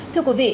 thưa quý vị